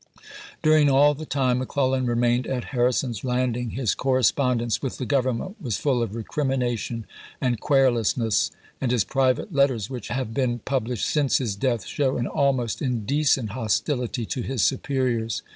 During all the time McClellan remained at Har rison's Landing his correspondence with the Government was full of recrimination and queru lousness ; and his private letters which have been published since his death show an almost indecent hostility to his superiors.